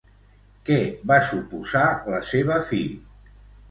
Què va suposar la seva fi?